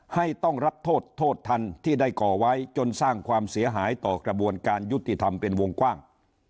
ต้องรับโทษโทษทันที่ได้ก่อไว้จนสร้างความเสียหายต่อกระบวนการยุติธรรมเป็นวงกว้าง